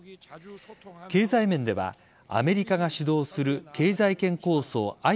経済面ではアメリカが主導する経済圏構想